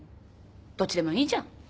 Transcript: どっちでもいいじゃん。